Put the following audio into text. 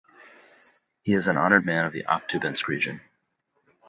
He is an "Honoured Man of the Aktubinsk region".